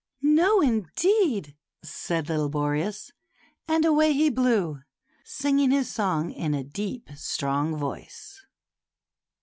"No, indeed," said little Boreas; and away he blew, singing his song in a deep, strong voice.